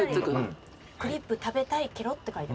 「クリップ食べたいけろ」って書いて。